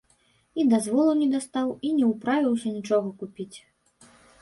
І дазволу не дастаў, і не ўправіўся нічога купіць.